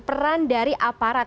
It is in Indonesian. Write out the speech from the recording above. peran dari aparat